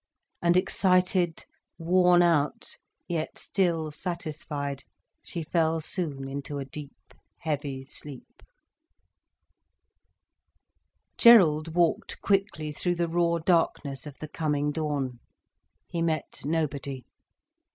And excited, worn out, yet still satisfied, she fell soon into a deep, heavy sleep. Gerald walked quickly through the raw darkness of the coming dawn. He met nobody.